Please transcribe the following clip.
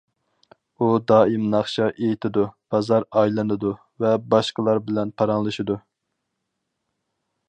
ئۇ دائىم ناخشا ئېيتىدۇ، بازار ئايلىنىدۇ ۋە باشقىلار بىلەن پاراڭلىشىدۇ.